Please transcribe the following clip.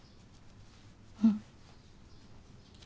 うん。